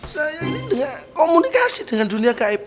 saya ini tidak komunikasi dengan dunia gaib